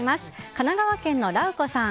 神奈川県の方。